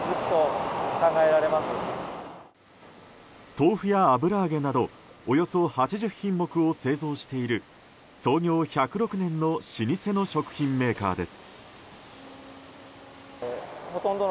豆腐や油揚げなどおよそ８０品目を製造している創業１０６年の老舗の食品メーカーです。